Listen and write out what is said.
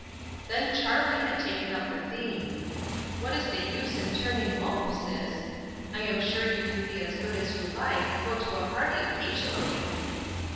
Then Charlie had taken up the theme: "What is the use in turning mope, Sis? I'm sure you can be as good as you like, and go to a party occasionally."